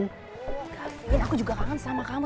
mungkin aku juga kangen sama kamu